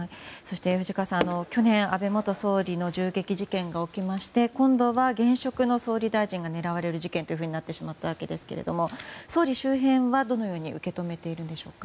藤川さん、去年安倍元総理の銃撃事件がおきまして今度は現職の総理大臣が狙われる事件となってしまったわけですけれども総理周辺はどのように受け止めているんでしょうか？